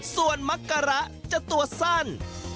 ส่วนมักกะระจะตัวสั้น